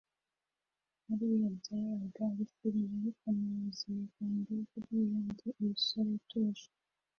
hariya byabaga ari film ariko mu buzima bwanjye buriya ndi umusore utuje